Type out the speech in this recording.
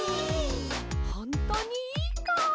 ほんとにいいか？